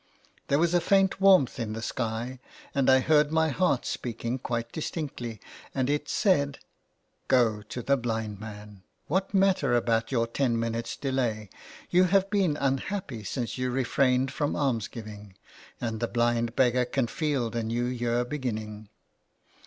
There was a faint warmth in the sky, and I heard my heart speaking quite distinctly, and it said :— "Go to the blind man — what matter about your ten minutes' delay ; you have been unhappy since you refrained from alms giving, and the blind beggar can feel the new year beginning.''